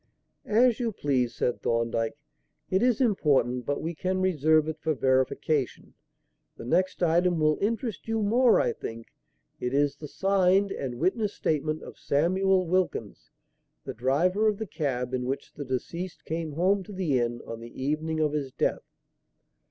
"As you please," said Thorndyke. "It is important, but we can reserve it for verification. The next item will interest you more, I think. It is the signed and witnessed statement of Samuel Wilkins, the driver of the cab in which the deceased came home to the inn on the evening of his death."